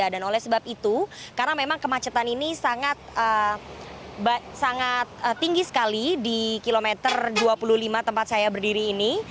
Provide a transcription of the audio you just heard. dan oleh sebab itu karena memang kemacetan ini sangat tinggi sekali di kilometer dua puluh lima tempat saya berdiri ini